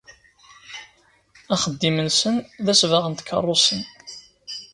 Axeddim-nsen d asbaɣ n tkeṛṛusin.